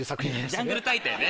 『ジャングル大帝』ね。